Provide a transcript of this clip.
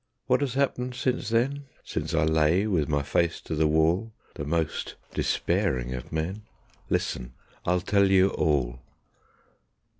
... What has happened since then, Since I lay with my face to the wall, The most despairing of men? Listen! I'll tell you all.